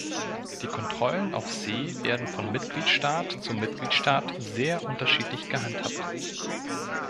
Die Kontrollen auf See werden von Mitgliedstaat zu Mitgliedstaat sehr unterschiedlich gehandhabt.